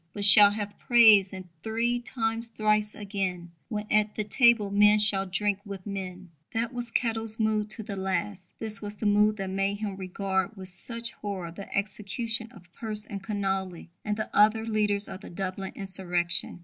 But shall have praise, and three times thrice again, When at the table men shall drink with men. That was Kettle's mood to the last. This was the mood that made him regard with such horror the execution of Pearse and Connolly, and the other leaders of the Dublin insurrection.